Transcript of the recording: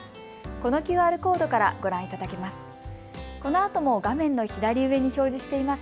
このＱＲコードからご覧いただけます。